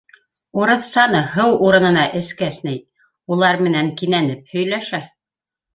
Урыҫсаны һыу урынына эскәс ни, улар менән кинәнеп һөйләшә.